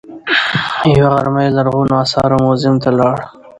یوه غرمه یې لرغونو اثارو موزیم ته لاړ.